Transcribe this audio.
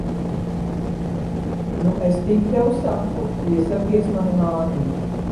Nu, es tik tev saku, piesargies mani mānīt!